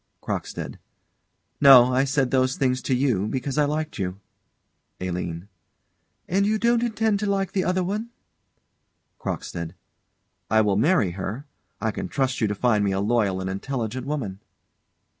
CROCKSTEAD. No. I said those things to you because I liked you. ALINE. And you don't intend to like the other one? CROCKSTEAD. I will marry her, I can trust you to find me a loyal and intelligent woman.